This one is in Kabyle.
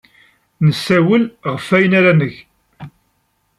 Nessawel ɣef wayen ara neg.